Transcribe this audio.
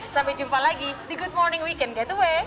sampai jumpa lagi di good morning weekend getaway